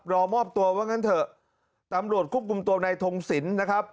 รอมอบตัวว่างั้นเถอะตำรวจควบคุมตัวในทงศิลป์นะครับ